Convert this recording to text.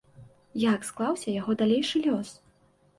Як склаўся яго далейшы лёс?